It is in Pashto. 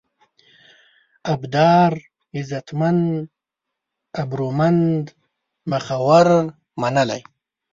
ابدار: عزتمن، ابرومند ، مخور، منلی